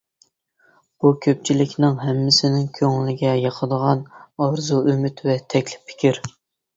بۇ كۆپچىلىكنىڭ ھەممىسىنىڭ كۆڭلىگە ياقىدىغان ئارزۇ-ئۈمىد ۋە تەكلىپ پىكىر.